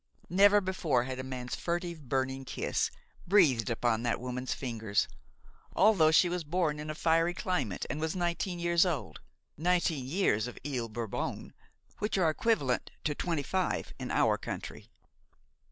Never before had a man's furtive, burning kiss breathed upon that woman's fingers, although she was born in a fiery climate and was nineteen years old; nineteen years of Ile Bourbon, which are equivalent to twenty five in our country.